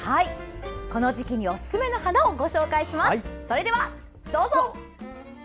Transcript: この時期におすすめの花をご紹介します。